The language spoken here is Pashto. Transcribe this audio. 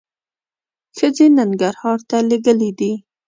ښځې ننګرهار ته لېږلي دي.